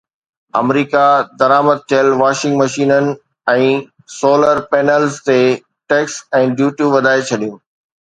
آمريڪا درآمد ٿيل واشنگ مشينن ۽ سولر پينلز تي ٽيڪس ۽ ڊيوٽيون وڌائي ڇڏيون